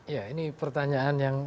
ya ini pertanyaan yang